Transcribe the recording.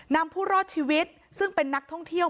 ผู้รอดชีวิตซึ่งเป็นนักท่องเที่ยว